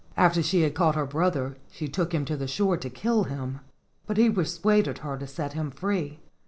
After she had caught her brother she took him to the shore to kill him, but he persuaded her to set him free.